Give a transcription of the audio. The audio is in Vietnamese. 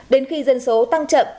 đến khi dân số tăng chậm